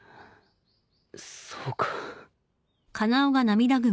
そうか。